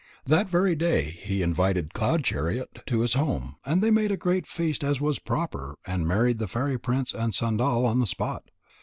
That very day he invited Cloud chariot to his home. And they made a great feast as was proper, and married the fairy prince and Sandal on the spot.